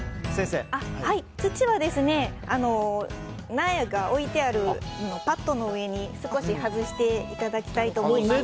土は、苗が置いてあるパットの上に少し外していただきたいと思います。